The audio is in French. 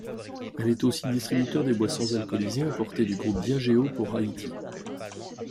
Elle est aussi distributeur des boissons alcoolisées importées du groupe Diageo pour Haïti.